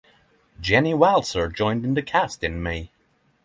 Jenny Walser joined in the cast in May.